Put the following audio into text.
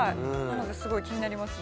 すごい気になりますね。